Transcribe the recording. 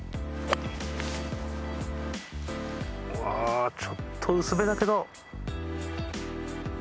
わぁちょっと薄めだけど。